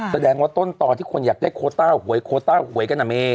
แสดงว่าต้นต่อที่คนอยากได้โคต้าหวยโคต้าหวยกันนะเม